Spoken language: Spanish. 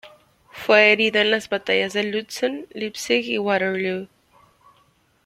Fue herido en las batallas de Lützen, Leipzig y Waterloo.